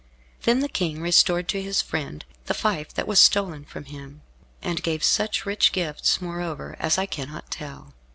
Then the King restored to his friend the fief that was stolen from him, and gave such rich gifts, moreover, as I cannot tell.